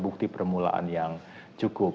bukti permulaan yang cukup